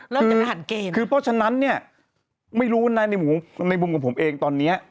จะได้หันเกมคือเพราะฉะนั้นเนี่ยไม่รู้นะในมุมของผมเองตอนเนี้ย